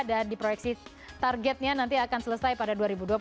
dan di proyeksi targetnya nanti akan selesai pada dua ribu dua puluh satu